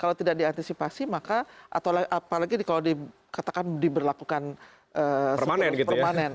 kalau tidak diantisipasi maka apalagi kalau dikatakan diberlakukan permanen